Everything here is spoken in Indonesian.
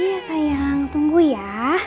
iya sayang tunggu ya